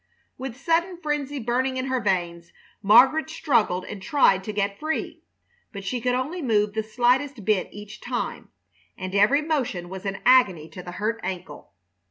With sudden frenzy burning in her veins Margaret struggled and tried to get free, but she could only move the slightest bit each time, and every motion was an agony to the hurt ankle.